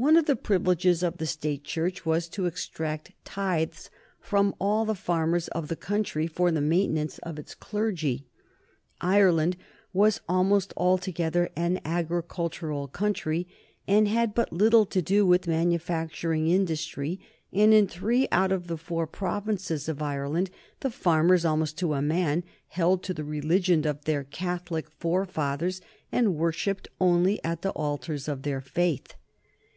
One of the privileges of the State Church was to exact tithes from all the farmers of the country for the maintenance of its clergymen. Ireland was almost altogether an agricultural country, and had but little to do with manufacturing industry, and in three out of the four provinces of Ireland the farmers, almost to a man, held to the religion of their Catholic forefathers and worshipped only at the altars of their faith.